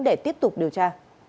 để tiếp tục điều tra